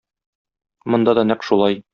Монда да нәкъ шулай.